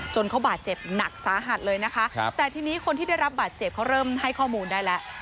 เขาบาดเจ็บหนักสาหัสเลยนะคะแต่ทีนี้คนที่ได้รับบาดเจ็บเขาเริ่มให้ข้อมูลได้แล้ว